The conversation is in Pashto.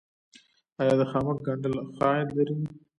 آیا د خامک ګنډل ښه عاید لري؟